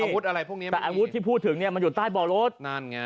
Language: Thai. อะไรพวกนี้แต่อาวุธที่พูดถึงเนี่ยมันอยู่ใต้บ่อรถนั่นไง